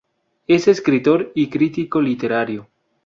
Es escritor y crítico literario.